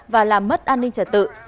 và làm mất an ninh trả tự